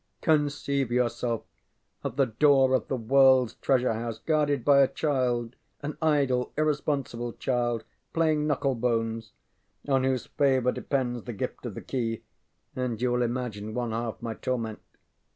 Conceive yourself at the door of the worldŌĆÖs treasure house guarded by a child an idle irresponsible child playing knuckle bones on whose favor depends the gift of the key, and you will imagine one half my torment.